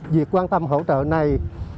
việc quan tâm hỗ trợ này